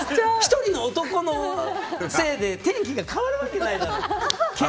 １人の男のせいで天気が変わるわけないだろ！